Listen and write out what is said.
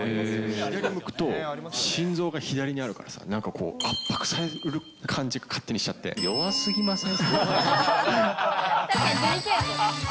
左向くと、心臓が左にあるからさ、なんかこう圧迫される感じ弱すぎません？